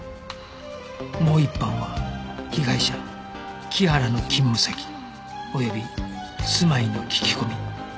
もう一班は被害者木原の勤務先及び住まいの聞き込み